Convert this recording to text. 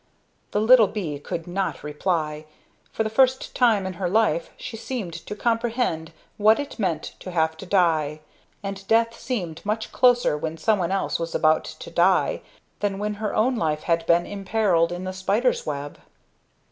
The little bee could not reply. For the first time in her life she seemed to comprehend what it meant to have to die; and death seemed much closer when someone else was about to die than when her own life had been imperiled in the spider's web.